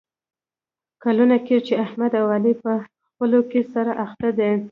کلونه کېږي چې احمد او علي په خپلو کې سره اخته دي.